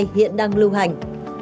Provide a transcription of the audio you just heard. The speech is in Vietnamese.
hiện đang diễn ra trong nước ta